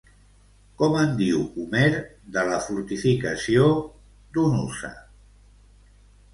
Com en diu Homer, de la fortificació Donussa?